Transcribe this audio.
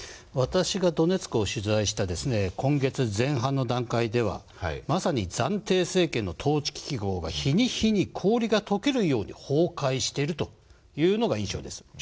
私がドネツクを取材した今月前半の段階ではまさに暫定政権の統治機能が日に日に氷が解けるように崩壊しているというのが印象です。